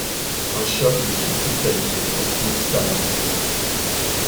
Un choc le fit tressaillir dans toute sa membrure.